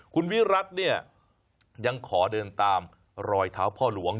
คุณวิรัติเนี่ยยังขอเดินตามรอยเท้าพ่อหลวง